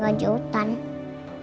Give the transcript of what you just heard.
malah tak terbangun